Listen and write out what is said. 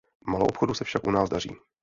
Maloobchodu se však u nás daří.